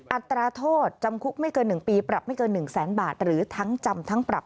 อัตราโทษจำคุกไม่เกิน๑ปีปรับไม่เกิน๑แสนบาทหรือทั้งจำทั้งปรับ